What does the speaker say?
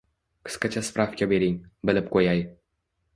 Qisqacha spravka bering, bilib qo‘yay.